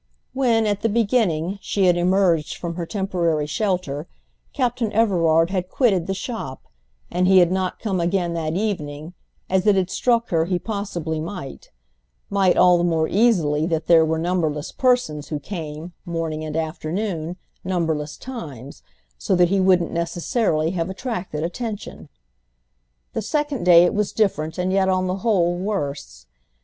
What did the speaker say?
When, at the beginning, she had emerged from her temporary shelter Captain Everard had quitted the shop; and he had not come again that evening, as it had struck her he possibly might—might all the more easily that there were numberless persons who came, morning and afternoon, numberless times, so that he wouldn't necessarily have attracted attention. The second day it was different and yet on the whole worse.